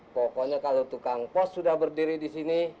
pokoknya kalau tukang pos sudah berdiri di sini